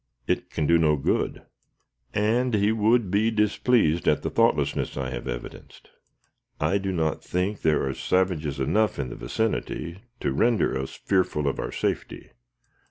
"It can do no good, and he would be displeased at the thoughtlessness I have evidenced. I do not think there are savages enough in the vicinity to render us fearful of our safety.